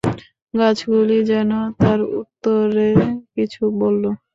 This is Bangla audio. গাছগুলি যেন তার উত্তরেও কিছু বলল।